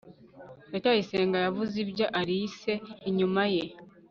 ndacyayisenga yavuze ibya alice inyuma ye